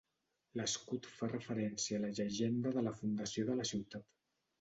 L'escut fa referència a la llegenda de la fundació de la ciutat.